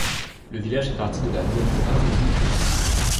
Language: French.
Le village fait partie de la nouvelle province de Viipuri.